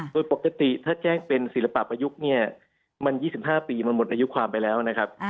โดยปกติถ้าแจ้งเป็นศิลปะประยุกต์เนี่ยมัน๒๕ปีมันหมดอายุความไปแล้วนะครับ